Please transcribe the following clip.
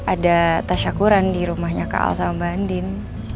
ada tersyakuran di rumahnya kak al sama mbak andin